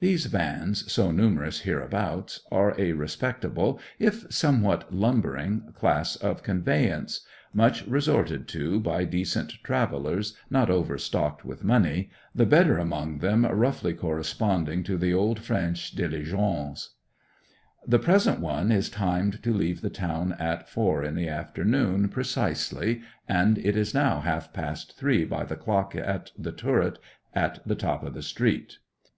These vans, so numerous hereabout, are a respectable, if somewhat lumbering, class of conveyance, much resorted to by decent travellers not overstocked with money, the better among them roughly corresponding to the old French diligences. The present one is timed to leave the town at four in the afternoon precisely, and it is now half past three by the clock in the turret at the top of the street.